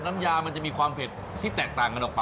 น้ำยามันจะมีความเผ็ดที่แตกต่างกันออกไป